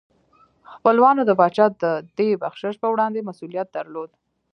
خپلوانو د پاچا د دې بخشش په وړاندې مسؤلیت درلود.